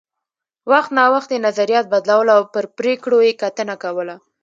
وخت نا وخت یې نظریات بدلول او پر پرېکړو یې کتنه کوله